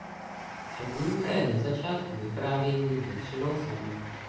Hrdinka je na začátku vyprávění většinou sama.